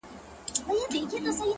• ستا د دواړو سترگو سمندر گلي ـ